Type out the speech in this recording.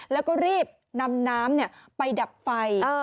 แล้วก็รีบนำน้ำไปดับไฟ